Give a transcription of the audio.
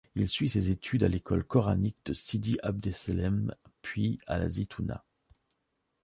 Il suit ses études à l'école coranique de Sidi Abdesselem puis à la Zitouna.